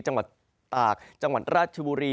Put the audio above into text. จังหวัดตากจังหวัดราชบุรี